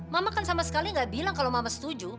mama kan sama sekali nggak bilang kalau mama setuju